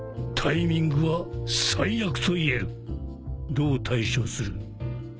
どう対処する？